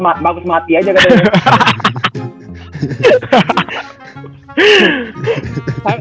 bagus mati aja katanya